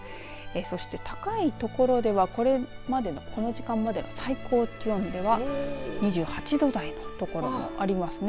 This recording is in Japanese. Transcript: そして高い所ではこれまでの、この時間までの最高気温では２８度台の所もありますね。